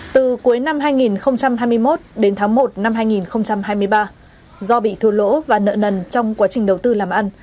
từ cuối năm hai nghìn hai mươi một đến tháng một năm hai nghìn hai mươi ba do bị thua lỗ và nợ nần trong quá trình đầu tư làm ăn